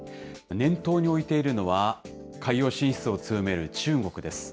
念頭に置いているのは、海洋進出を強める中国です。